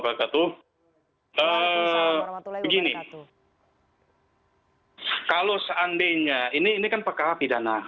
begini kalau seandainya ini kan pekara bidana